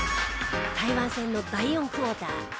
台湾戦の第４クォーター。